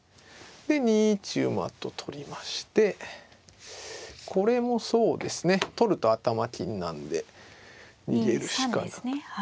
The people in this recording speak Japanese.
で２一馬と取りましてこれもそうですね取ると頭金なんで逃げるしかなくて。